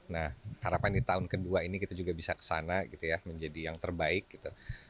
nah harapannya tahun kedua ini kita juga bisa ke sana gitu ya menjadi yang terbaik gitu